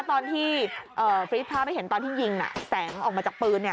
ตอนที่เอ่อฟรีดภาพให้เห็นตอนที่ยิงน่ะแสงออกมาจากปืนเนี้ย